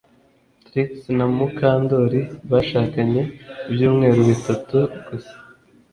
Trix na Mukandoli bashakanye ibyumweru bitatu gusa